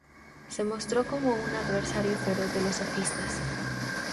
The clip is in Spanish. Se mostró como un adversario feroz de los sofistas.